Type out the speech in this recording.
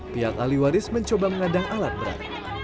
pihak ahli waris mencoba mengadang alat berat